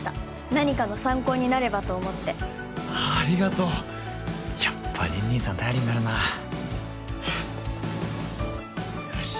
何かの参考になればと思ってありがとうやっぱ凜々さん頼りになるなよし